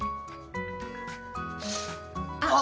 あっ！